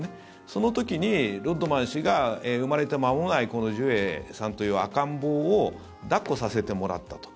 その時にロッドマン氏が生まれて間もないこのジュエさんという赤ん坊を抱っこさせてもらったと。